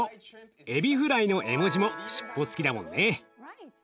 エビフライの絵文字も尻尾つきだもんね。